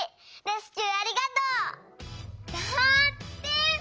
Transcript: レスキューありがとう！」。